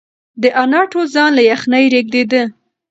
د انا ټول ځان له یخنۍ رېږدېده.